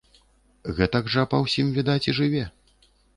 Гэтак жа, па ўсім відаць, і жыве.